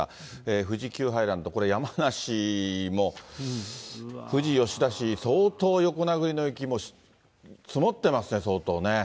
富士急ハイランド、山梨も富士吉田市、相当横殴りの雪、積もってますね、相当ね。